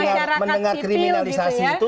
nah mendengar kriminalisasi itu